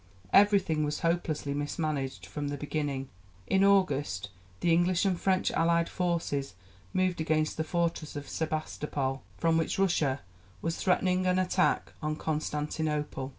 Everything was hopelessly mismanaged from the beginning. In August the English and French allied forces moved against the fortress of Sebastopol, from which Russia was threatening an attack on Constantinople.